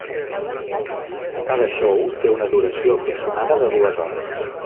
Cada show té una duració aproximada de dues hores.